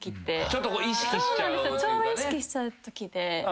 ちょうど意識しちゃうときで。